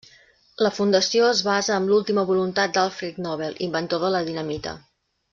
La Fundació es basa amb l'última voluntat d'Alfred Nobel, inventor de la dinamita.